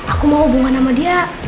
aku mau hubungan sama dia